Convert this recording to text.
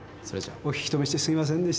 お引き止めしてすいませんでした。